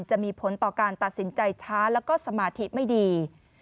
จะมีผลต่อการตัดสินใจช้าแล้วก็สมาธิไม่ดี